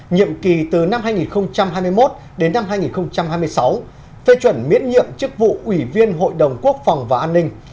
nhiệm kỳ từ năm hai nghìn hai mươi một đến năm hai nghìn hai mươi sáu phê chuẩn miễn nhiệm chức vụ ủy viên hội đồng quốc phòng và an ninh